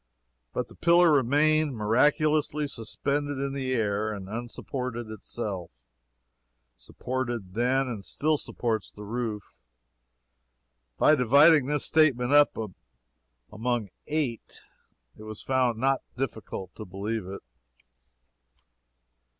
But the pillar remained miraculously suspended in the air, and, unsupported itself, supported then and still supports the roof. By dividing this statement up among eight, it was found not difficult to believe it.